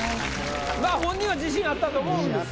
本人は自信あったと思うんですよ。